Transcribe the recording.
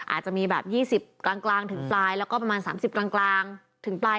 อาจจะมีแบบ๒๐กลางถึงปลายแล้วก็ประมาณ๓๐กลางถึงปลาย